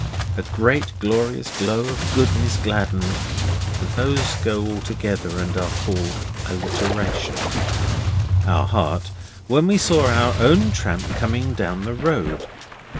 A great glorious glow of goodness gladdened (those go all together and are called alliteration) our hearts when we saw our own tramp coming down the road.